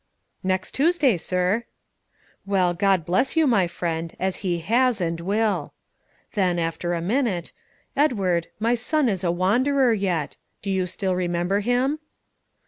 "Next Tuesday, sir." "Well, God bless you, my friend, as He has, and will." Then, after a minute, "Edward, my son is a wanderer yet: do you still remember him?"